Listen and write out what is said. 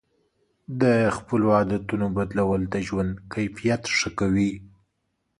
د خپلو عادتونو بدلول د ژوند کیفیت ښه کوي.